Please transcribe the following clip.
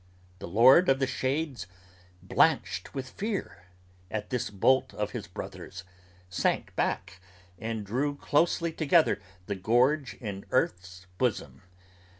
The Lord of the Shades blanched with fear, at this bolt of his brother's, Sank back, and drew closely together the gorge in Earth's bosom.